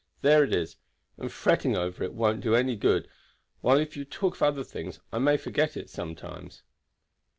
There it is, and fretting over it won't do it any good, while if you talk of other things I may forget it sometimes."